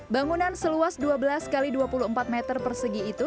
bangunan seluas dua belas x dua puluh empat meter persegi itu